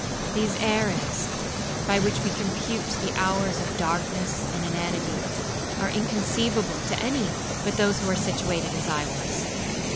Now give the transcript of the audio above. These æras by which we compute the hours of darkness and inanity are inconceivable to any but those who are situated as I was.